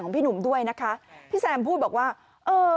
พี่หนุ่มด้วยนะคะพี่แซมพูดบอกว่าเออ